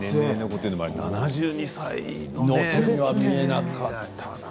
７２歳の手には見えなかったな。